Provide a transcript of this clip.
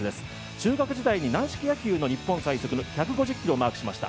中学時代に軟式野球の日本最速、１５０キロをマークしました